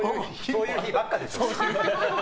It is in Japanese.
そういう日ばっかでしょ。